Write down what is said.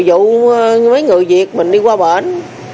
dụ mấy người việt mình đi qua bển